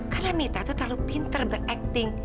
karena mita tuh terlalu pinter berakting